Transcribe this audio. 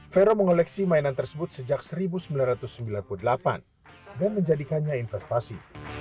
vero mengoleksi mainan tersebut sejak seribu sembilan ratus sembilan puluh delapan dan menjadikannya investasi